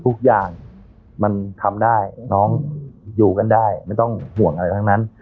ทุกอย่างมันทำได้น้องอยู่กันได้ไม่ต้องห่วงอะไรทั้งนั้น